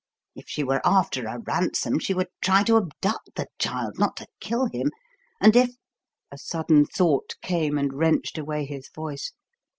If she were after a ransom she would try to abduct the child, not to kill him, and if" A sudden thought came and wrenched away his voice.